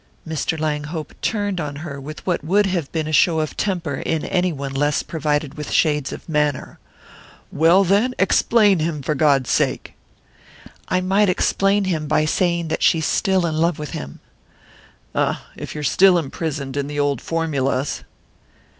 Mr. Langhope turned on her with what would have been a show of temper in any one less provided with shades of manner. "Well, then, explain him, for God's sake!" "I might explain him by saying that she's still in love with him." "Ah, if you're still imprisoned in the old formulas!"